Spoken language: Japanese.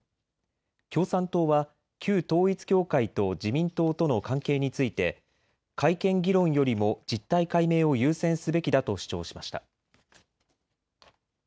共産党は旧統一教会と自民党との関係について改憲議論よりも実態解明を優先すべきだと主張しました。